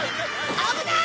危ない！